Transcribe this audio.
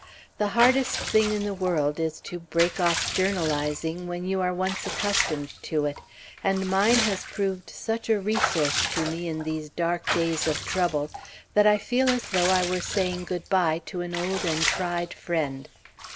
The hardest thing in the world is to break off journalizing when you are once accustomed to it, and mine has proved such a resource to me in these dark days of trouble that I feel as though I were saying good bye to an old and tried friend.